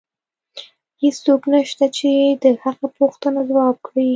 هیڅوک نشته چې د هغه پوښتنه ځواب کړي